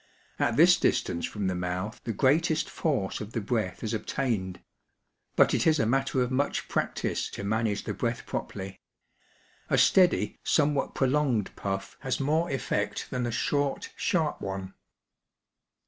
At this distance from the mouth the greatest force of the breath is obtained ; but it is a matter of much practice to manage the breath properly. A steady, somewhat prolonged puff has more effect than a short, sharp one.